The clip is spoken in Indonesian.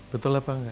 betul apa enggak